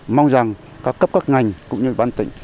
mong rằng các cấp các ngành cũng như ủy ban tỉnh